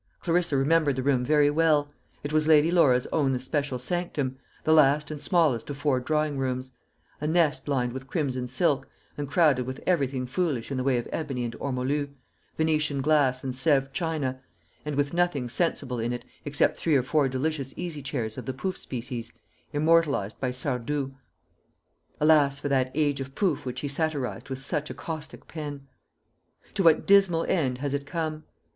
Clarissa remembered the room very well it was Lady Laura's own especial sanctum, the last and smallest of four drawing rooms a nest lined with crimson silk, and crowded with everything foolish in the way of ebony and ormolu, Venetian glass and Sèvres china, and with nothing sensible in it except three or four delicious easy chairs of the pouff species, immortalised by Sardou. Alas for that age of pouff which he satirised with such a caustic pen! To what dismal end has it come!